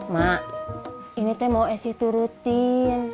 mak ini mau esri turutin